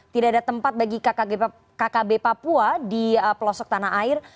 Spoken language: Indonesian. tidak ada tempat bagi kkb papua di pelosok tanah air